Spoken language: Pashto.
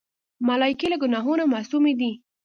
ملایکې له ګناهونو معصومی دي.